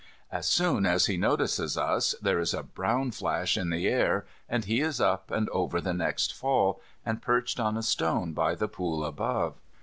As soon as he notices us, there is a brown flash in the air, and he is up, and over the next fall, and perched on a stone by the pool above.